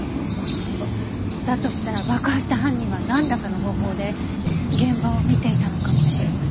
だとしたら爆破した犯人はなんらかの方法で現場を見ていたのかもしれない。